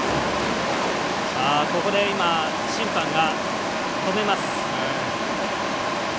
ここで、審判が止めます。